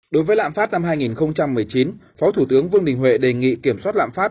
đối với lạm phát năm hai nghìn một mươi chín phó thủ tướng vương đình huệ đề nghị kiểm soát lạm phát